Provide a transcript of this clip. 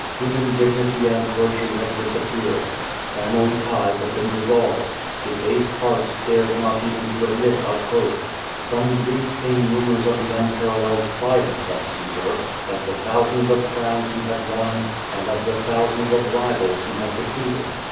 Human dignity and virtue had dis appeared. Family ties had been dissolved. Debased hearts dar<vl not even to admit of hope. From Greece came rumors of.t^je unparalleled triumphs of Caesar, of the thousands of crowns he had won, and of the thousands of rivals he had de feated.